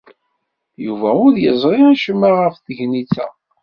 Yuba ur yeẓri acemma ɣef tegnit-a.